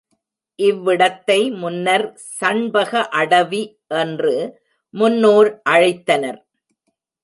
இவ்விடத்தை முன்னர் சண்பக அடவி என்று முன்னோர் அழைத்தனர்.